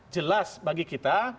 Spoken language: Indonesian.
jelas bagi kita